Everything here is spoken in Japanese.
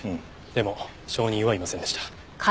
でも証人はいませんでした。